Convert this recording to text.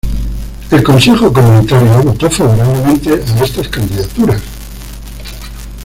El Consejo comunitario votó favorablemente a estas candidaturas.